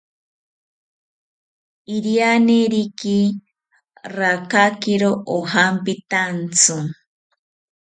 Irianeriki rakakiro ojampitaantzi